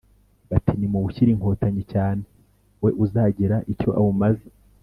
bati: nimuwushyire inkotanyi cyane, we uzagira icyo awumaza.